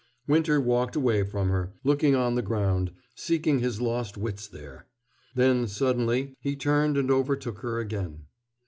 Winter walked away from her, looking on the ground, seeking his lost wits there. Then suddenly he turned and overtook her again.